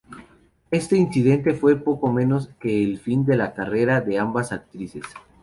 Este incidente fue poco menos que el fin de la carrera de ambas actrices.